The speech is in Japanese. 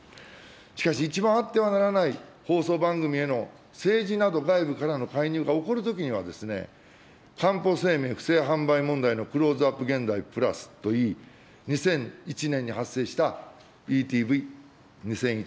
しかし一番あってはならない放送番組への政治など外部からの介入が起こるときには、かんぽ生命不正販売問題のクローズアップ現代プラスといい、２００１年に発生したＥＴＶ２００１